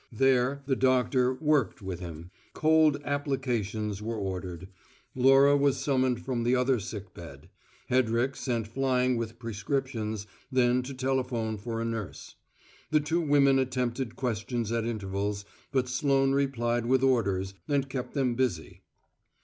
There, the doctor "worked" with him; cold "applications" were ordered; Laura was summoned from the other sick bed; Hedrick sent flying with prescriptions, then to telephone for a nurse. The two women attempted questions at intervals, but Sloane replied with orders, and kept them busy.